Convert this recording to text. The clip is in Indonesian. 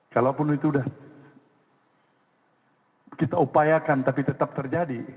kalaupun itu sudah kita upayakan tapi tetap terjadi